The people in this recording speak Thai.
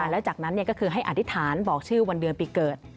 แล้วจากนั้นก็คือให้อธิษฐานบอกชื่อวันเดือนปีเกิด